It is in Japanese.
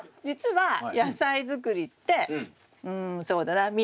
実は野菜作りってうんそうだな